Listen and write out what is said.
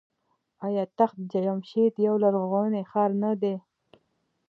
آیا تخت جمشید یو لرغونی ښار نه دی؟